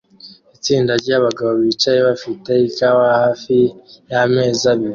Itsinda ryabagabo bicaye bafite ikawa hafi yameza abiri